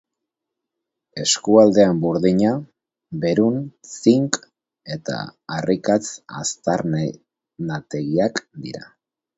Eskualdean burdina, berun, zink eta harrikatz aztarnategiak dira.